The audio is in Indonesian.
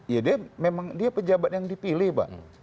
ya dia memang dia pejabat yang dipilih pak